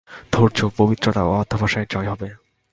ধৈর্য, পবিত্রতা ও অধ্যবসায়ের জয় হবে।